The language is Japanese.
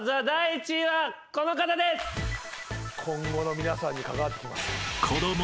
今後の皆さんに関わってきます。